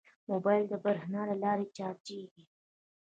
موبایل د بریښنا له لارې چارجېږي.